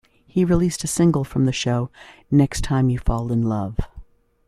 He released a single from the show, "Next Time You Fall in Love".